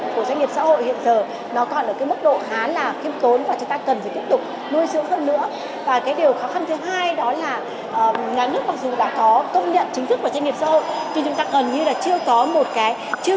nhưng chúng ta gần như là chưa có một cái chương trình một cái chương trình nghị sự một cái chiến lược cụ thể gì để triển thai một cái chương trình hỗ trợ phát triển doanh nghiệp xã hội trong thời gian tới